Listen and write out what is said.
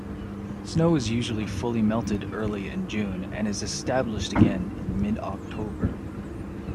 Snow is usually fully melted early in June and is established again in mid-October.